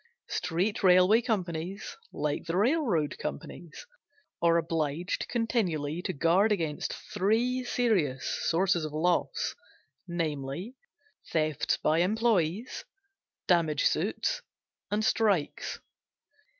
Street railway companies, like the railroad companies, are obliged continually to guard against three serious sources of loss, namely: thefts by employees, damage suits and strikes.